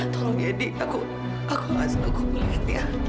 tolong ya di aku aku gak senang aku melihatnya